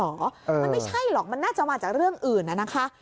มันไม่ใช่หรอกมันน่าจะมาจากเรื่องอื่นนะคะ